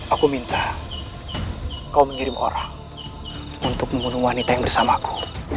aku minta kau mengirim orang untuk membunuh wanita yang bersamaku